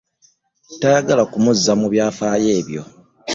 Tayagala kumuzza mu byafaayo ebyo.